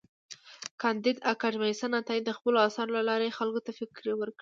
کانديد اکاډميسن عطايي د خپلو اثارو له لارې خلکو ته فکر ورکړی دی.